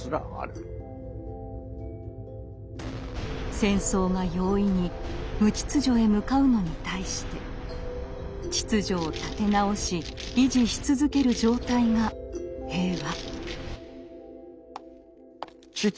戦争が容易に「無秩序」へ向かうのに対して秩序を立て直し維持し続ける状態が平和。